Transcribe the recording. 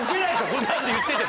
こんなんで言ってて。